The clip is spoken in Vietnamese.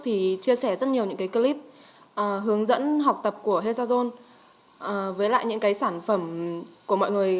thì chia sẻ rất nhiều những clip hướng dẫn học tập của hedgergen với lại những sản phẩm của mọi người